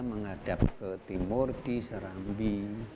menghadap ke timur di sarambi